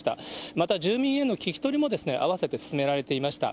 また住民への聞き取りも、合わせて進められていました。